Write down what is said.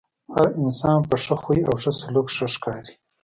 هر انسان په ښۀ خوی او ښۀ سلوک ښۀ ښکاري .